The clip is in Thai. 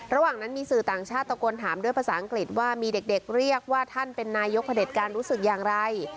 ระหว่างนั้นมีสื่อต่างชาติตะโกนถามด้วยภาษาอังกฤษว่ามีเด็กเรียกว่าท่านเป็นนายกพระเด็จการรู้สึกอย่างไร